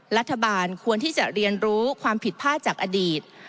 รัฐบาลควรที่จะเรียนรู้ความผิดพลาดจากอดีต